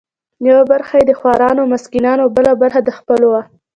یوه برخه یې د خورانو او مسکینانو او بله برخه د خپلو وه.